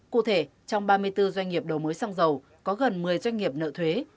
cụ thể trong ba mươi bốn doanh nghiệp đầu mối xăng dầu có gần một mươi doanh nghiệp nợ thuế